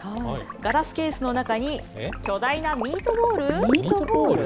ガラスケースの中に、巨大なミートボール？